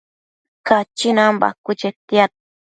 Cachinan bacuë chetiad